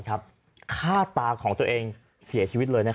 ฆ่าตาของตัวเองเสียชีวิตเลย